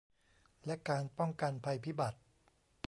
และการป้องกันภัยพิบัติ